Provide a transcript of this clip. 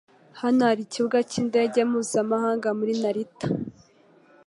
Hano hari ikibuga cyindege mpuzamahanga muri Narita.